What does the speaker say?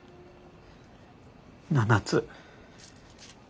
７つ。